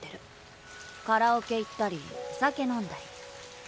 カラオケ行ったりお酒飲んだり。